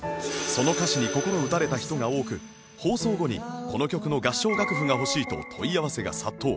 その歌詞に心打たれた人が多く放送後にこの曲の合唱楽譜が欲しいと問い合わせが殺到